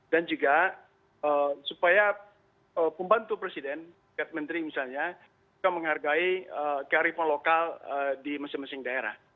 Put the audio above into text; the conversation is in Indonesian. dan juga supaya pembantu presiden kementerian negeri misalnya kita menghargai carry on lokal di masing masing daerah